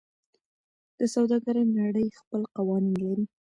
د سوداګرۍ نړۍ خپل قوانین لري.